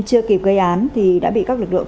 chưa kịp gây án thì đã bị các lực lượng